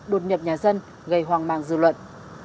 đột nhập nhà dân gây hoang mang dư luận